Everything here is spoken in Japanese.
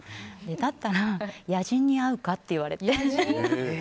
だったら野人に会うかって言われて。